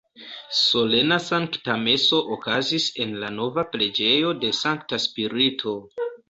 Solena Sankta Meso okazis en la nova preĝejo de Sankta Spirito.